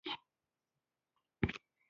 شېبو کالي د وږمو واغوستله